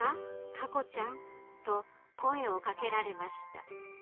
佳子ちゃん」と声を掛けられました］